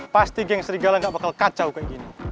pasti geng serigala gak bakal kacau kayak gini